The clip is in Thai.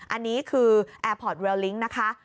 อันนี้คือแอร์พอร์ตเวลลิ้งนะคะ